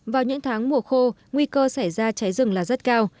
vào những tháng mùa khô nguy cơ xảy ra cháy rừng là rất cao